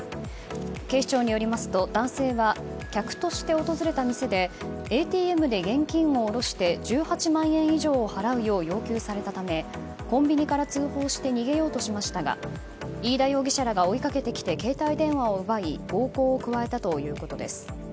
警視庁によりますと男性は客として訪れた店でＡＴＭで現金を下ろして１８万円以上を払うよう要求されたためコンビニから通報して逃げようとしましたが飯田容疑者らが追いかけてきて携帯電話を奪い暴行を加えたということです。